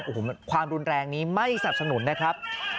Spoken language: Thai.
โอ้โหความรุนแรงนี้ไม่สนับสนุนนะครับ